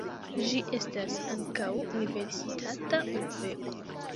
Ĝi estas ankaŭ universitata urbego.